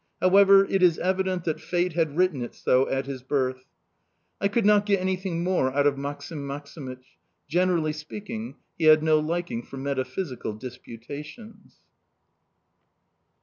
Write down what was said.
However, it is evident that fate had written it so at his birth!" I could not get anything more out of Maksim Maksimych; generally speaking, he had no liking for metaphysical disputations.